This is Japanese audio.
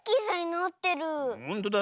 ほんとだ。